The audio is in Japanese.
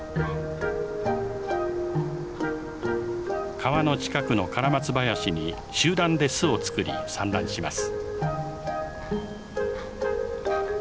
川の近くのカラマツ林に集団で巣を作り産卵します。